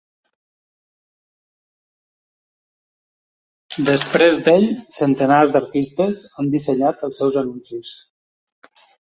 Després d'ell, centenars d'artistes han dissenyat els seus anuncis.